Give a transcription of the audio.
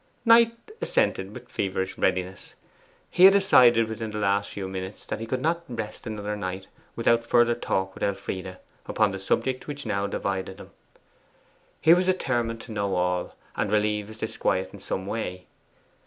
Knight assented with feverish readiness. He had decided within the last few minutes that he could not rest another night without further talk with Elfride upon the subject which now divided them: he was determined to know all, and relieve his disquiet in some way.